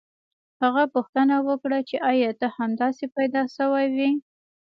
هغه پوښتنه وکړه چې ایا ته همداسې پیدا شوی وې